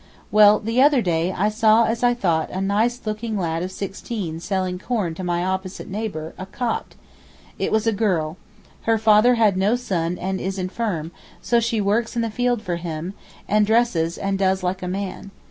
Well, the other day I saw as I thought a nice looking lad of sixteen selling corn to my opposite neighbour, a Copt. It was a girl. Her father had no son and is infirm, so she works in the field for him, and dresses and does like a man.